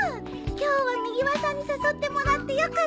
今日はみぎわさんに誘ってもらってよかったね。